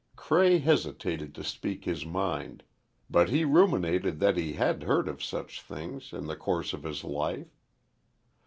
Cray hesitated to speak his mind, but he ruminated that he had heard of such things, in the course of his life.